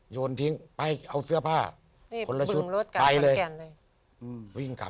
โยนทิ้งไปเอาเสื้อผ้าคนละชุดคล้ายเลยที่บึงรถก่อนเหรอครับ